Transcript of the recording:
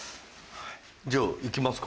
じゃあいきますか。